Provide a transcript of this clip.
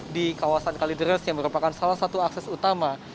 di kawasan kalideres yang merupakan salah satu akses utama